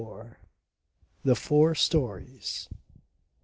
THE FOUR STORIES.